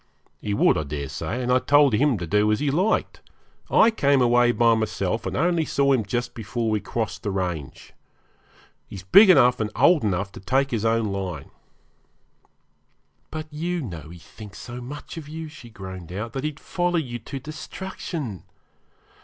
'He would, I daresay, and I told him to do as he liked. I came away by myself, and only saw him just before we crossed the range. He's big enough and old enough to take his own line.' 'But you know he thinks so much of you,' she groaned out, 'that he'd follow you to destruction.